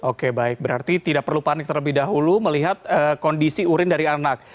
oke baik berarti tidak perlu panik terlebih dahulu melihat kondisi urin dari anak